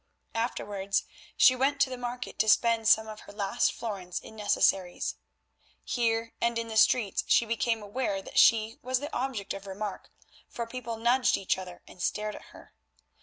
Afterwards she went to the market to spend some of her last florins in necessaries. Here and in the streets she became aware that she was the object of remark, for people nudged each other and stared at her.